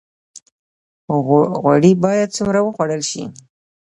غوړي باید څومره وخوړل شي؟